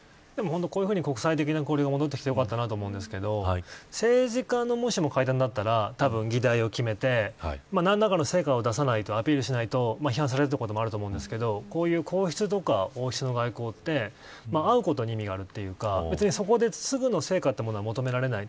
こういうふうに国際的な交流が戻ってきてよかったと思いますが政治家の会談だったら議題を決めて何らかの成果を出さないとアピールしないと批判されることもあると思いますが皇室とか王室は会うことに意味があるというかそこですぐの成果を求められない。